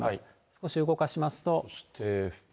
そして動かしますと。